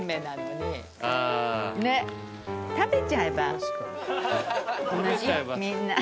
食べちゃえば同じみんな。